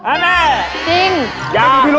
อะไรนะจริงอย่างนั้นไม่มีพิรุธ